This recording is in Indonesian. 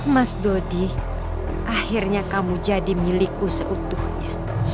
mas dodi akhirnya kamu jadi milikku seutuhnya